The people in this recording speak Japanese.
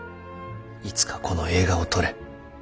「いつかこの映画を撮れ。